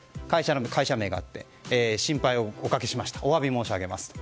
会社名があって心配をおかけしましたお詫び申し上げますと。